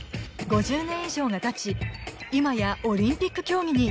５０年以上がたち、いまや、オリンピック競技に。